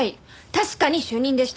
確かに主任でした。